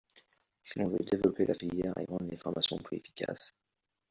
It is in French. Si l’on veut développer la filière et rendre les formations plus efficaces.